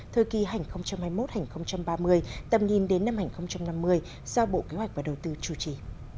thời kỳ hành hai mươi một hai nghìn ba mươi tầm nhìn đến năm hai nghìn năm mươi do bộ kế hoạch và đầu tư chủ trì